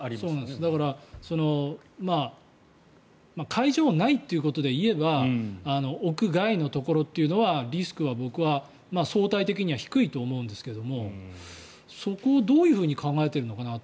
だから会場内ということで言えば屋外のところというのはリスクは僕は相対的には低いと思うんですがそこをどういうふうに考えているのかなと。